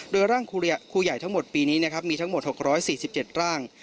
โดยร่างครูใหญ่ทั้งหมดปีนี้นะครับมีทั้งหมด๖๔๗ร่าง